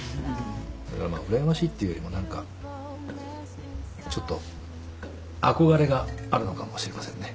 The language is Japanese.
だからまあうらやましいっていうよりも何かちょっと憧れがあるのかもしれませんね。